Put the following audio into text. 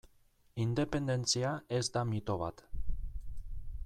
Independentzia ez da mito bat.